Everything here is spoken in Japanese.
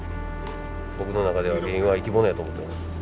僕の中では原油は生き物やと思ってます。